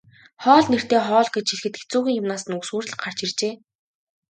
Хоол нэртэй хоол гэж хэлэхэд хэцүүхэн юмнаас нь үс хүртэл гарч иржээ.